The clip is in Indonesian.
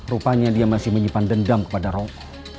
rupanya dia masih menyimpan dendam kepada roh